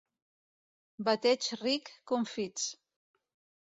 Bateig ric, confits.